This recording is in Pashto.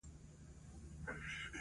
د لمر رڼا ژوند ورکوي.